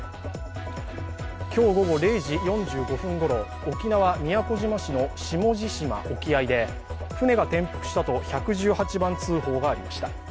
今日午後９時４５分ごろ、沖縄・宮古島市の下地島沖合で船が転覆したと１１８番通報がありました。